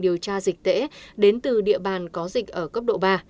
điều tra dịch tễ đến từ địa bàn có dịch ở cấp độ ba